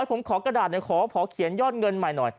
ผมขอกระดาษหน่อยขอเขียนยอดเงินใหม่หน่อย